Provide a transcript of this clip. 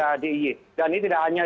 dan ini tidak hanya di yogyakarta